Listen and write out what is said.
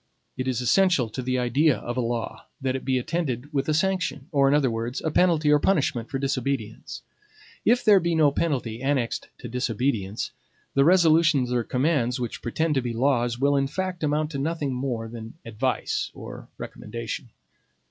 It is essential to the idea of a law, that it be attended with a sanction; or, in other words, a penalty or punishment for disobedience. If there be no penalty annexed to disobedience, the resolutions or commands which pretend to be laws will, in fact, amount to nothing more than advice or recommendation.